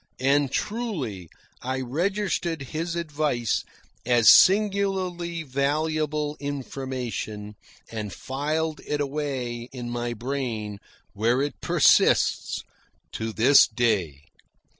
And, truly, I registered his advice as singularly valuable information, and filed it away in my brain, where it persists to this day.